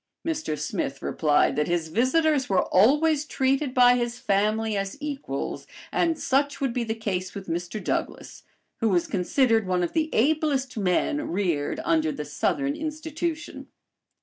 Mr. Smith replied that his visitors were always treated by his family as equals, and such would be the case with Mr. Douglass, who was considered one of the ablest men reared under "The Southern Institution."